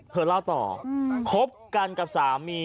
เธอเล่าต่อคบกันกับสามี